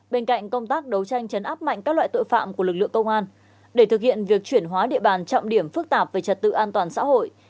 bên cạnh công tác đấu tranh chấn áp mạnh các loại tội phạm của lực lượng công an để thực hiện việc chuyển hóa địa bàn trọng điểm phức tạp về trật tự an toàn xã hội